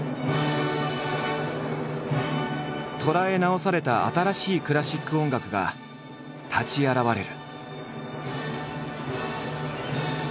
捉え直された新しいクラシック音楽が立ち現れる。